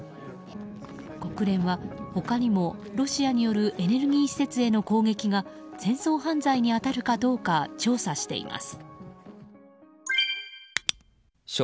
国連は他にも、ロシアによるエネルギー施設への攻撃が戦争犯罪に当たるかどうか調査しています。